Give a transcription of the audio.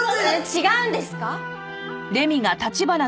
違うんですか？